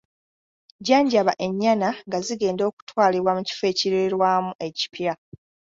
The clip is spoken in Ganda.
Jjanjaba ennyana nga zigenda okutwalibwa mu kifo ekiriirwamu ekipya.